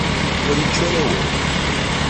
Ur yečči ara awal.